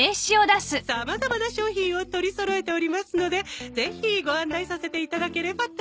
さまざまな商品を取りそろえておりますのでぜひご案内させていただければと。